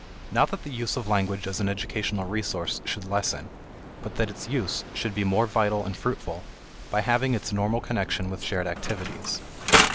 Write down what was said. Not that the use of language as an educational resource should lessen; but that its use should be more vital and fruitful by having its normal connection with shared activities.